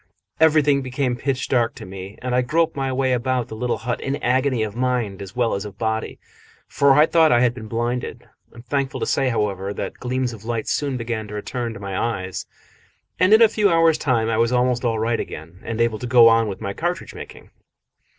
Everything became pitch dark to me, and I groped my way about the little hut in agony of mind as well as of body, for I thought I had been blinded. I am thankful to say, however, that gleams of light soon began to return to my eyes, and in a few hours' time I was almost all right again and able to go on with my cartridge making.